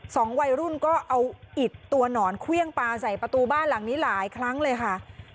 สองวัยรุ่นก็เอาอิดตัวหนอนเครื่องปลาใส่ประตูบ้านหลังนี้หลายครั้งเลยค่ะ